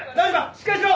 しっかりしろ！